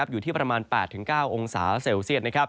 อยู่ที่ประมาณ๘๙องศาเซลเซียต